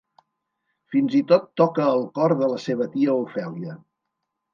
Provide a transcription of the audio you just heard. Fins i tot toca el cor de la seva tia Ophelia.